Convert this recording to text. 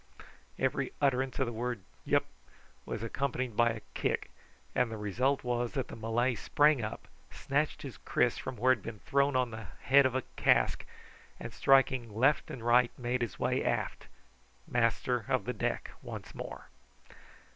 Every utterance of the word wup was accompanied by a kick, and the result was that the Malay sprang up, snatched his kris from where it had been thrown on the head of a cask, and striking right and left made his way aft, master of the deck once more.